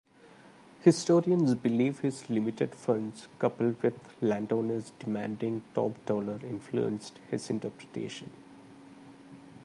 Historians believe his limited funds, coupled with landowners' demanding top dollar, influenced his interpretation.